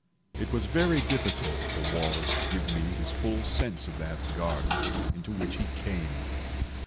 It was very difficult for Wallace to give me his full sense of that garden into which he came.